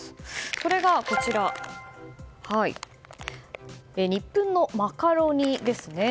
それがニップンのマカロニですね。